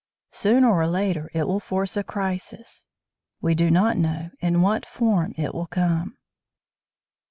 Sooner or later it will force a crisis. We do not know in what form it will come.